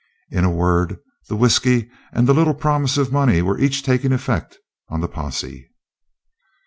In a word, the whisky and the little promise of money were each taking effect on the posse.